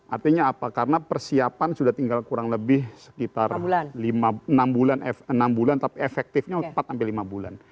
artinya apa karena persiapan sudah tinggal kurang lebih sekitar enam bulan tapi efektifnya empat sampai lima bulan